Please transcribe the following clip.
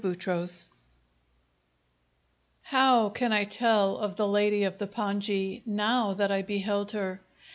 Chapter Six How can I tell of the lady of the pongee now that I beheld her?